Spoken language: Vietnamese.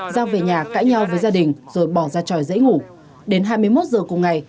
giao về nhà cãi nhau với gia đình rồi bỏ ra tròi dãy ngủ đến hai mươi một giờ cùng ngày